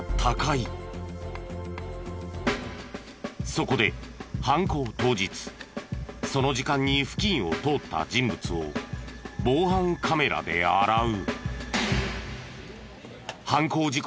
そこで犯行当日その時間に付近を通った人物を防犯カメラで洗う。